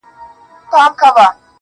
دا څنګه چل دی د ژړا او د خندا لوري.